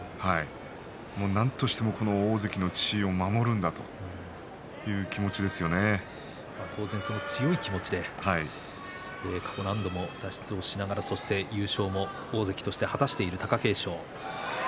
なんとしても大関の地位を守るんだという当然強い気持ちで過去何度も脱出をしながらそして優勝も大関として果たしている貴景勝。